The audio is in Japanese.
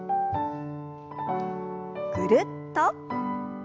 ぐるっと。